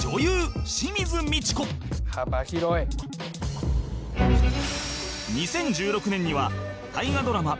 「幅広い」２０１６年には大河ドラマ